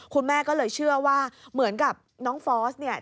คุณแม่ก็เลยเชื่อว่าเหมือนกับน้องฟอสเนี่ย